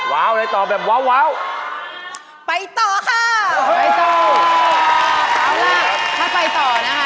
ว้าวได้ตอแบบว้าวว้าวไปต่อค่ะไปต่ออ๋อเอาล่ะถ้าไปต่อนะคะ